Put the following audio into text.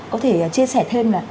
có thể chia sẻ thêm là